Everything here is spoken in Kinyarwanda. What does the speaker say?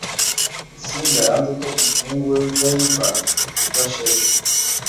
Musinga yanze ko umuhungu we Rudahigwa agirwa shefu